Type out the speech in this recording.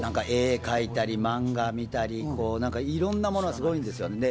絵を描いたり漫画を見たり、いろんなものすごいんですよ。